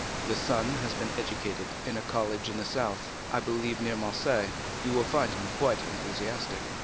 "The son has been educated in a college in the south; I believe near Marseilles. You will find him quite enthusiastic."